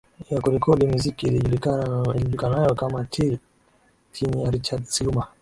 Ya kurekodi miziki ijulikanayao kama Teal chini ya Richard Siluma